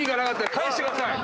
返してください。